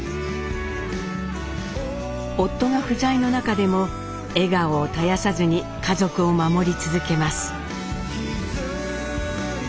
夫が不在の中でも笑顔を絶やさずに家族を守り続けます。